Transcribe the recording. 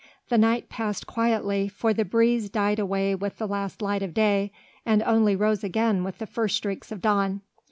The night passed quietly, for the breeze died away with the last light of day, and only rose again with the first streaks of dawn.